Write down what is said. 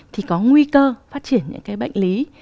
thì có nguy cơ phát triển những cái bệnh lý